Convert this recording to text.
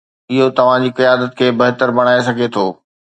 اهو توهان جي قيادت کي بهتر بڻائي سگهي ٿو.